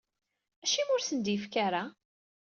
Acimi ur asen-d-yefki ara?